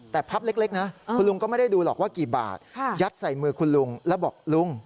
แต่พับเล็กนะคุณลุงก็ไม่ได้ดูหรอกว่ากี่บาทยัดใส่มือคุณลุงแล้วบอกลุง